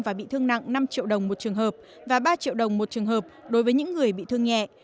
và bị thương nặng năm triệu đồng một trường hợp và ba triệu đồng một trường hợp đối với những người bị thương nhẹ